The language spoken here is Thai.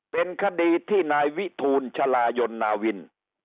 เป็นคดีที่นายวิทูลชะลายนนาวิน